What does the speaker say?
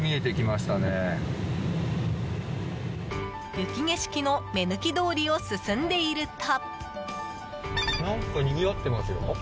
雪景色の目抜き通りを進んでいると。